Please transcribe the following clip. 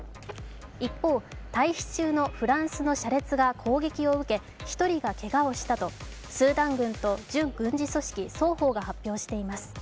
一方、待避中のフランスの車列が攻撃を受け１人がけがをしたとスーダン軍と準軍事組織、双方が発表しています。